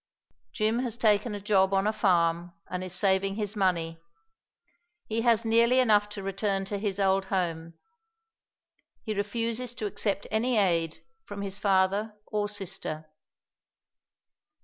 Jim has taken a job on a farm and is saving his money. He has nearly enough to return to his old home; he refuses to accept any aid from his father or sister.